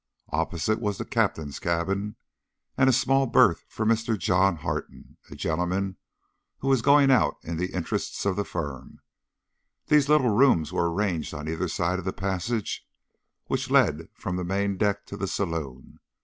Opposite was the captain's cabin and a small berth for Mr. John Harton, a gentleman who was going out in the interests of the firm. These little rooms were arranged on each side of the passage which led from the main deck to the saloon.